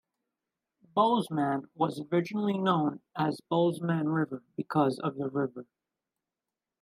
Bowsman was originally known as "Bowsman River" because of the river.